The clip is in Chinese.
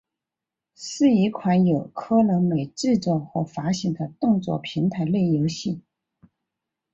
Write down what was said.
是一款由科乐美制作和发行的动作平台类游戏。